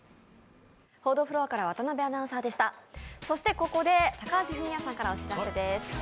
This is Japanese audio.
ここで高橋文哉さんからお知らせです。